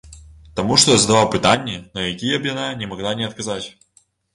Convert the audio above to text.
Таму што я задаваў пытанні, на якія б яна не магла не адказаць.